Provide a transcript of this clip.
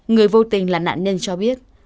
người vô tình là nạn nhân cho biết